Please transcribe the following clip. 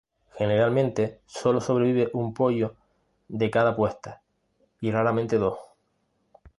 Generalmente solo sobrevive un pollo de cada puesta, y raramente dos.